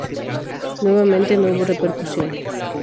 Nuevamente, no hubo repercusión.